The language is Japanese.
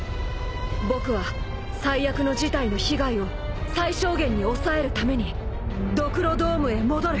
僕は最悪の事態の被害を最小限に抑えるためにドクロドームへ戻る。